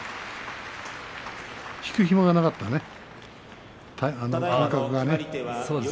引く暇がなかったね。